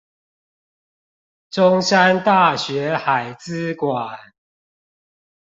中山大學海資館